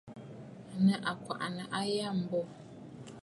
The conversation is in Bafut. À nɨ àkwènə̀ àyâŋmbô.